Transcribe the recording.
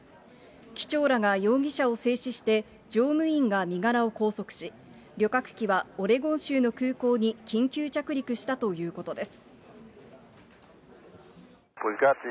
機長らが容疑者を制止して乗務員が身柄を拘束し、旅客機はオレゴン州の空港に緊急着陸したということです。